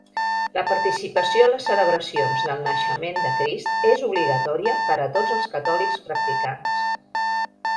La participació a les celebracions del Naixement de Crist és obligatòria per a tots els catòlics practicants.